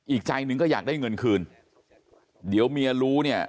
อีกใจหนึ่งก็อยากได้เงินคืนเดี๋ยวเมียรู้เนี่ย